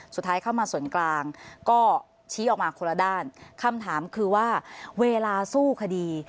เข้ามาส่วนกลางก็ชี้ออกมาคนละด้านคำถามคือว่าเวลาสู้คดี